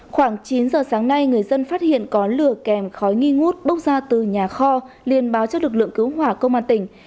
khoảng chín giờ sáng nay người dân phát hiện có lửa kèm khói nghi ngút bốc ra từ nhà kho liên báo cho lực lượng cứu hỏa công an tỉnh